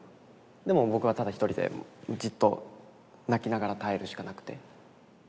でも僕はただ一人でじっと泣きながら耐えるしかなくて。